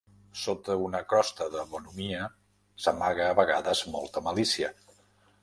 Sota una crosta de bonhomia s'amaga a vegades molta malícia.